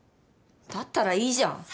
だったらいいじゃん。